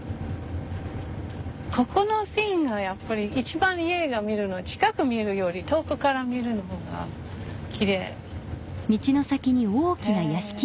ここのシーンがやっぱり一番家が見るの近く見るより遠くから見る方がきれい。